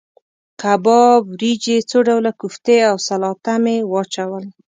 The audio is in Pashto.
کباب، وریجې، څو ډوله کوفتې او سلاته مې واچول.